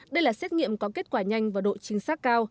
đây là xét nghiệm có kết quả nhanh và độ chính xác cao